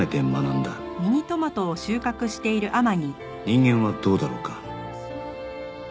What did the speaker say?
人間はどうだろうか